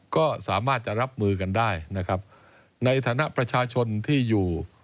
ก็สามารถจะรับมือกันได้นะครับในฐานะประชาชนที่อยู่